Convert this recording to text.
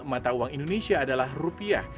mata uang indonesia adalah rupiah